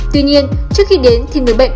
tuy nhiên trước khi đến thì người bệnh